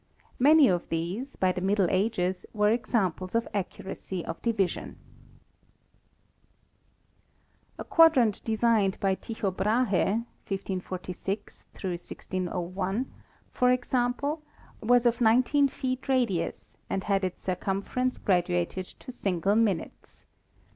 Many of these, by the Middle Ages, were examples of ac curacy of division. A quadrant designed by Tycho Brahe (1 546 1601), for 14 ASTRONOMY example, was of 19 feet radius and had its circumference graduated to single minutes.